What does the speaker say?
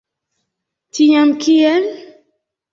Tiam kiel?